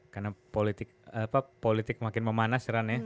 karena politik makin memanas rani ya